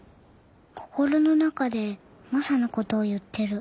心の中でマサのことを言ってる。